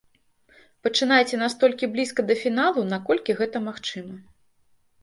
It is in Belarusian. Пачынайце настолькі блізка да фіналу, наколькі гэта магчыма.